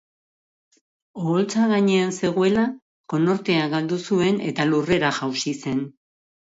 Oholtza gainean zegoela, konortea galdu zuen eta lurrera jausi zen.